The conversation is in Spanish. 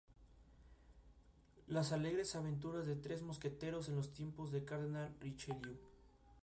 Las alegres aventuras de tres mosqueteros en los tiempos del cardenal Richelieu.